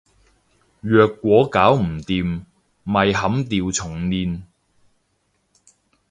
若果搞唔掂，咪砍掉重練